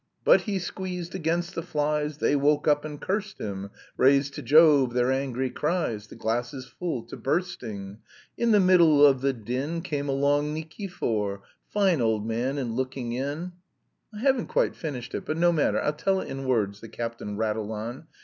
"But he squeezed against the flies, They woke up and cursed him, Raised to Jove their angry cries; 'The glass is full to bursting!' In the middle of the din Came along Nikifor, Fine old man, and looking in... I haven't quite finished it. But no matter, I'll tell it in words," the captain rattled on.